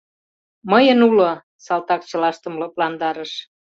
— Мыйын уло! — салтак чылаштым лыпландарыш.